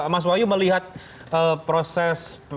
mas wayu melihat proses